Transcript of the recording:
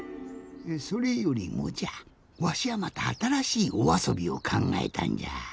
それよりもじゃわしはまたあたらしいおあそびをかんがえたんじゃ。